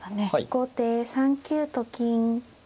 後手３九と金。